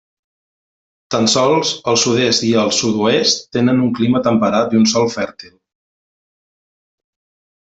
Tan sols el sud-est i el sud-oest tenen un clima temperat i un sòl fèrtil.